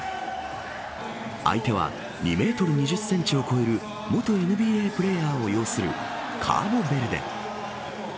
相手は、２メートル２０センチを超える元ＮＢＡプレーヤーを擁するカーボベルデ。